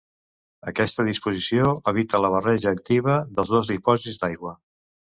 Aquesta disposició evita la barreja activa dels dos dipòsits d'aigua.